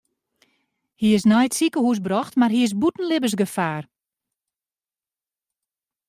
Hy is nei it sikehús brocht mar hy is bûten libbensgefaar.